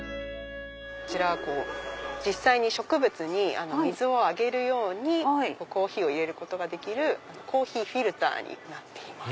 こちらは実際に植物に水をあげるようにコーヒーを入れることができるコーヒーフィルターになってます。